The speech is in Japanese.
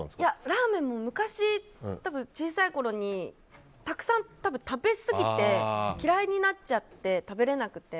ラーメン、昔小さいころにたくさん食べすぎて嫌いになっちゃって食べれなくて。